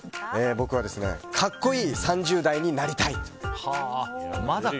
僕は格好いい３０代になりたい。